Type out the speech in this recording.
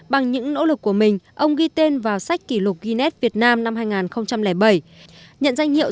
bằng những nỗ lực của mình ông ghi tên vào sách kỷ lục guinness việt nam năm hai nghìn bảy nhận danh hiệu